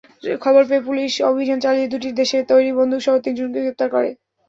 খবর পেয়ে পুলিশ অভিযান চালিয়ে দুটি দেশে তৈরি বন্দুকসহ তিনজনকে গ্রেপ্তার করে।